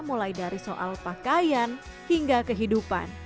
mulai dari soal pakaian hingga kehidupan